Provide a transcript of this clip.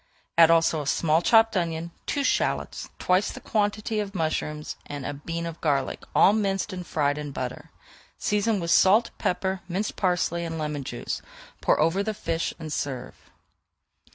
Add also a small chopped onion, two shallots, twice the quantity of mushrooms, and a bean of garlic, all minced and fried in butter. Season with salt, pepper, minced parsley, and lemon juice; pour over the fish and serve.